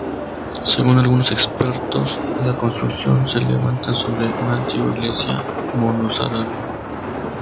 Según algunos expertos, la construcción se levanta sobre una antigua iglesia mozárabe.